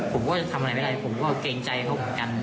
ผมก็จะทำอะไรไม่ได้ผมก็เกรงใจเขาเหมือนกัน